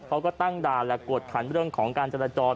เขาก็ตั้งด่านและกวดขันเรื่องของการจราจร